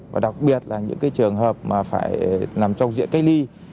và đặc biệt là những cái trường hợp mà phải nằm trong diện cách ly